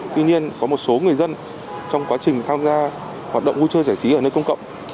tuy nhiên có một số người dân trong quá trình tham gia hoạt động vui chơi giải trí ở nơi công cộng